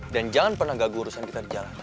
dan jangan pernah gagal urusan kita di jalanan